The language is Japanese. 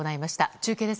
中継です。